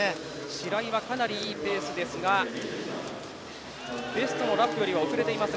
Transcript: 白井はかなりいいペースですがベストのラップよりは遅れている。